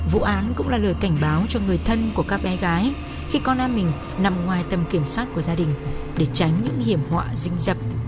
vụ án cũng là lời cảnh báo cho người thân của các bé gái khi con em mình nằm ngoài tầm kiểm soát của gia đình để tránh những hiểm họa dinh dập